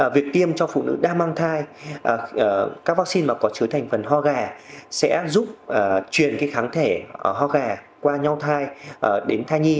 việc tiêm cho phụ nữ đang mang thai các vaccine mà có chứa thành phần ho gà sẽ giúp truyền cái kháng thể ho gà qua nhau thai đến thai nhi